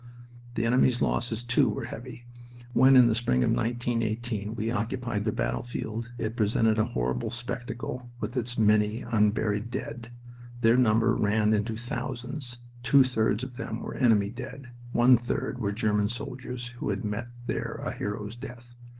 "The enemy's losses, too, were heavy. When, in the spring of 1918, we occupied the battlefield, it presented a horrible spectacle with its many unburied dead. Their number ran into thousands. Two thirds of them were enemy dead; one third were German soldiers who had met here a hero's death.